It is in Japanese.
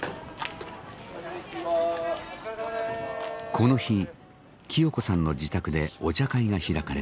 この日清子さんの自宅でお茶会が開かれました。